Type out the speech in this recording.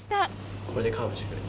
これでカーブしてくる。